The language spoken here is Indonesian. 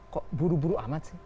kok buru buru amat sih